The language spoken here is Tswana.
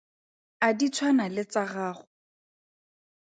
A di tshwana le tsa gago?